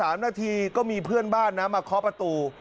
ผ่านไป๓นาทีก็มีเพื่อนบ้านนะมาคอประตู